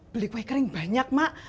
beli kue kering banyak mak